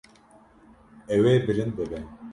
Ew ê bilind bibe.